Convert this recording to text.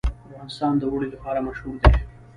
افغانستان د اوړي لپاره مشهور دی.